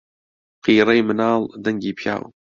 قیڕەی مناڵ دەنگی پیاو